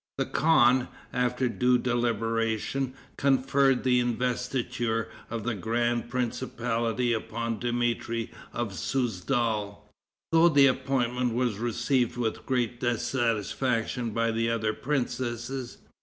The khan, after due deliberation, conferred the investiture of the grand principality upon Dmitri of Souzdal, though the appointment was received with great dissatisfaction by the other princes.